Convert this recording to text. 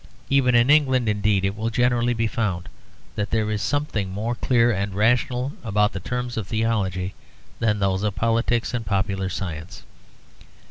Even in England indeed it will generally be found that there is something more clear and rational about the terms of theology than those of politics and popular science.